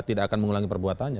tidak akan mengulangi perbuatannya